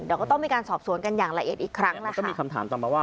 แล้วก็ต้องมีการสอบสวนกันอย่างละเอียดอีกครั้งนะครับ